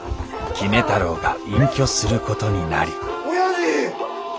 杵太郎が隠居することになり親父！